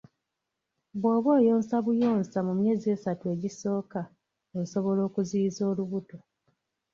Bw'oba oyonsa buyonsa mu myezi esatu egisooka, osobola okuziyiza olubuto.